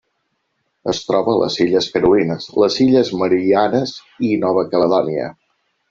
Es troba a les Illes Carolines, les Illes Mariannes i Nova Caledònia.